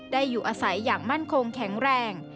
อยู่อาศัยอย่างมั่นคงแข็งแรง